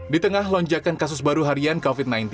di tengah lonjakan kasus baru harian covid sembilan belas